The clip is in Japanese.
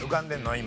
今。